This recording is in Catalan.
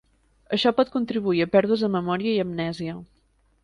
Això pot contribuir a pèrdues de memòria i amnèsia.